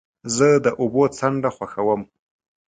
زه د اوبو څنډه خوښوم.